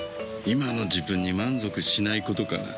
今の自分に満足しないことかな。